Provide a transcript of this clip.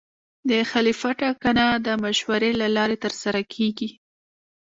د خلیفه ټاکنه د مشورې له لارې ترسره کېږي.